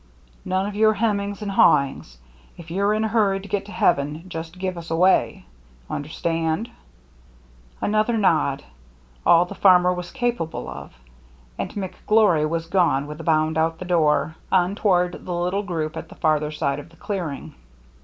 " None of your hemmings and haw ings — if you're in a hurry to get to heaven, just give us away. Understand ?" VAN DEELEN'S BRIDGE 297 Another nod, — all the farmer was capable of; and McGlory was gone with a bound, out the door, on toward the little group at the farther side of the clearing.